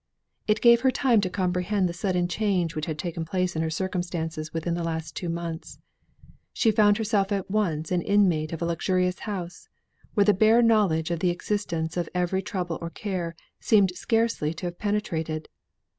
It gave her time to comprehend the sudden change which had taken place in her circumstances within the last two months. She found herself at once an inmate of a luxurious house, where the bare knowledge of the existence of every trouble or care seemed scarcely to have penetrated.